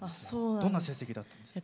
どんな成績だったんですか？